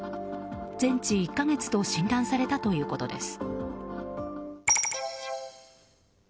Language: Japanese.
全治１か月と診断されたということです。